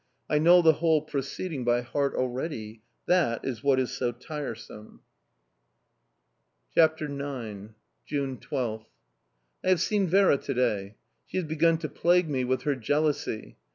I know the whole proceeding by heart already that is what is so tiresome! CHAPTER IX. 12th June. I HAVE seen Vera to day. She has begun to plague me with her jealousy.